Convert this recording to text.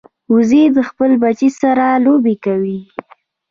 وزې د خپل بچي سره لوبې کوي